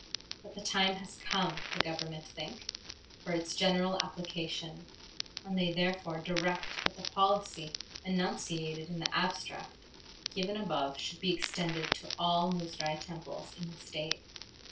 But the time has come, the Government think, for its general application, and they therefore direct that the policy enunciated in the abstract given above should be extended to all Muzrai Temples in the State.